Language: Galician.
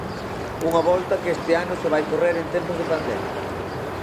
Unha volta que este ano se vai correr en tempos de pandemia.